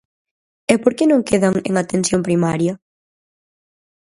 ¿E por que non quedan en atención primaria?